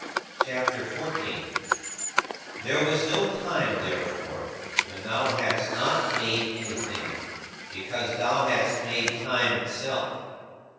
CHAPTER XIV 17. There was no time, therefore, when thou hadst not made anything, because thou hadst made time itself.